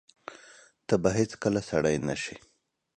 ته به هیڅکله سړی نه شې !